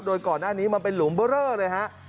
โดยก่อนอันนี้มันเป็นหลุมเบอร์เลยฮะ